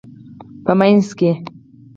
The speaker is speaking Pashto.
په مینځ کې